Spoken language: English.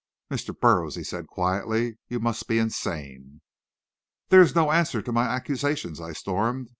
"Mr. Burroughs," he said quietly, "you must be insane." "That is no answer to my accusations," I stormed.